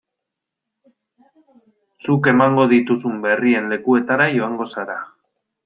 Zuk emango dituzun berrien lekuetara joango zara.